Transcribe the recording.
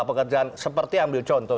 pekerjaan seperti ambil contoh